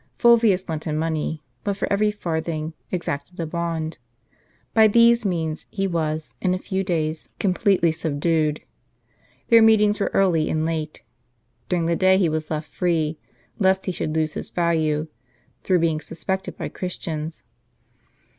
Fulvius lent him money, but for every farthing, exacted a bond. By these means, he was, in a few days, completely subdued. Their meetings were early and late; during the day he was left free, lest he should lose his value, through being suspected by Christians.